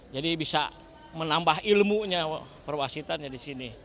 jadi bisa menambah ilmunya perwasitannya di sini